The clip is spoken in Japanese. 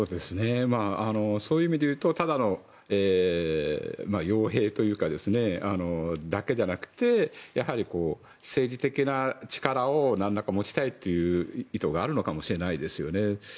そういう意味で言うとただの傭兵だけじゃなくてやはり政治的な力を何らか持ちたいという意図があるのかもしれないですよね。